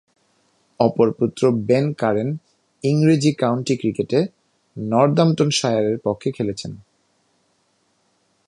অপর পুত্র Ben Curran ইংরেজ কাউন্টি ক্রিকেটে নর্দাম্পটনশায়ারের পক্ষে খেলছেন।